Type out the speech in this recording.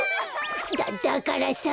だだからさ！